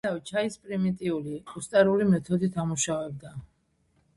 ერისთავი ჩაის პრიმიტიული, კუსტარული მეთოდით ამუშავებდა.